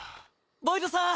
ボイドさん！